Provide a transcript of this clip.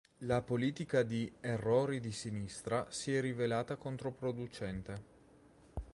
La politica di "errori di sinistra" si è rivelata controproducente.